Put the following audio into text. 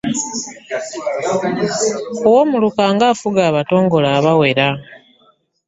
Owoomuluka ng’afuga Abatongole abawera.